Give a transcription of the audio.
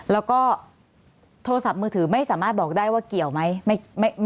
แล้วก็โทรศัพท์มือถือไม่สามารถบอกได้ว่าเกี่ยวไหม